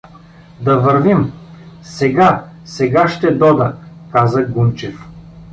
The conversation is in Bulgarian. Да вървим… — Сега, сега ще дода — каза Гунчев.